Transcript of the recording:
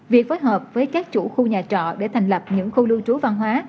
việc phối hợp với các chủ khu nhà trọ để thành lập những khu lưu trú văn hóa